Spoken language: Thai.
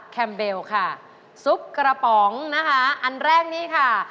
แมมเบลค่ะซุปกระป๋องนะคะอันแรกนี้ค่ะ